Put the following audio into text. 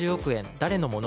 誰のもの？